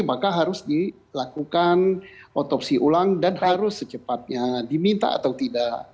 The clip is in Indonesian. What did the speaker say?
maka harus dilakukan otopsi ulang dan harus secepatnya diminta atau tidak